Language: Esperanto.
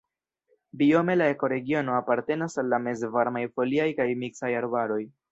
Biome la ekoregiono apartenas al la mezvarmaj foliaj kaj miksaj arbaroj.